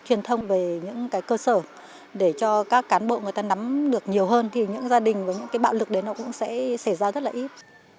truyền thông về những cái cơ sở để cho các cán bộ người ta nắm được nhiều hơn thì những gia đình và những cái bạo lực đấy nó cũng sẽ xảy ra rất là ít